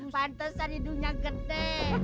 pantesan hidungnya gede